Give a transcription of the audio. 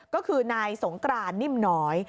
ก็คือนายสงกรานนิ่มน้อย